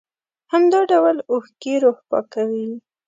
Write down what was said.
همدا ډول اوښکې روح پاکوي.